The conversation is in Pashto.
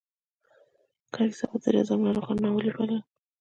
کلیسا به د جذام ناروغان ناولي بلل.